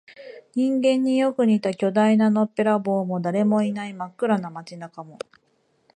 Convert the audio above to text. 人間によく似た巨大なのっぺらぼうも、誰もいない真っ暗な街中も、